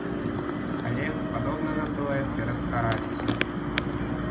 Але, падобна на тое, перастараліся.